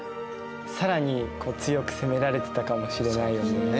更に強く攻められてたかもしれないよね。